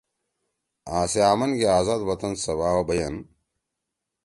اں سے آمنگے آزاد وطن سوا بیَن۔